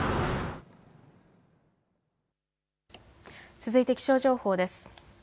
続いて気象情報です。